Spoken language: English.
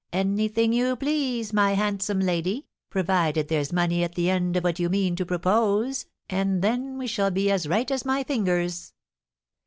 "Anything you please, my handsome lady, provided there's money at the end of what you mean to propose, and then we shall be as right as my fingers."